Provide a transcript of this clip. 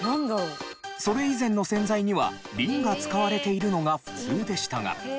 それ以前の洗剤にはリンが使われているのが普通でしたが。